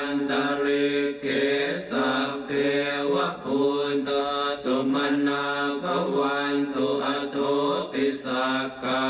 นี่เป็นบทสวดบางช่วงบางตอนนะคะ